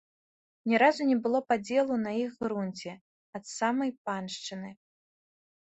Ні разу не было падзелу на іх грунце ад самай паншчыны.